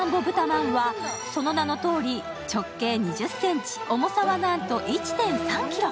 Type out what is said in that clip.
まんは、その名のとおり、直径２０ｃｍ、重さはなんと１．３ｋｇ。